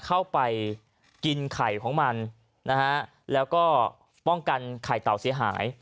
เข้าไปกินไข่ของมันนะฮะแล้วก็ป้องกันไข่เต่าเสียหาย